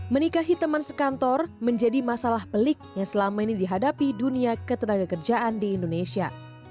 menikahi teman sekantor menjadi masalah pelik yang selama ini dihadapi dunia ketenaga kerjaan di indonesia